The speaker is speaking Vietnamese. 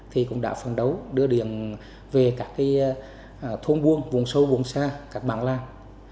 thì cũng đã phản đấu đưa điện về các cái thôn buông vùng sâu vùng xa các bảng làng